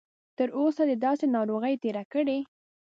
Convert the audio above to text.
تر اوسه دې داسې ناروغي تېره کړې؟